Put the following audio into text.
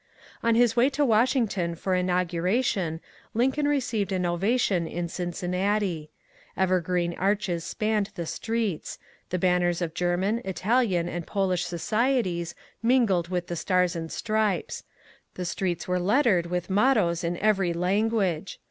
On his way to Washington for inauguration Lincoln re ceived an ovation in Cincinnati. Evergreen arches spanned the streets; the banners of German, Italian, and Polish societies mingled with the stars and stripes ; the streets were lettered with mottoes in every language.